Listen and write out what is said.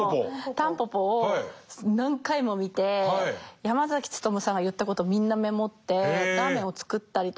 「タンポポ」を何回も見て山努さんが言ったことをみんなメモってラーメンを作ったりとか。